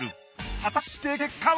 果たして結果は！？